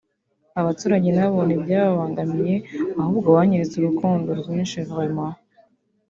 abaturage nabo ntibyababangamiye ahubwo banyeretse urukundo rwinshi vraiment